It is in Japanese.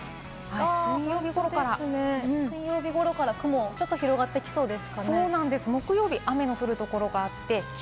水曜日頃から雲がちょっと広がって来そうです。